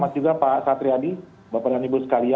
baik juga pak satri adi bapak dan ibu sekalian